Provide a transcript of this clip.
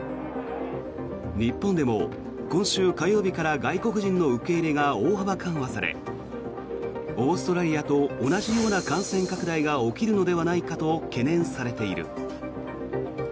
日本でも今週火曜日から外国人の受け入れが大幅緩和されオーストラリアと同じような感染拡大が起きるのではないかと懸念されている。